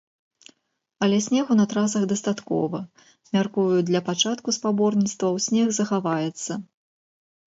Але снегу на трасах дастаткова, мяркую, для пачатку спаборніцтваў снег захаваецца.